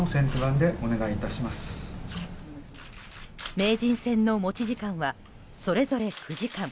名人戦の持ち時間はそれぞれ９時間。